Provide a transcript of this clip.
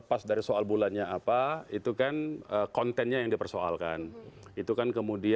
ada apa yang diperlukan